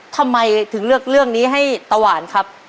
ทำไมถึงเลือกเรื่องนี้ให้ตาหวานครับ